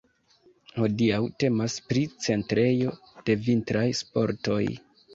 Hodiaŭ temas pri centrejo de vintraj sportoj.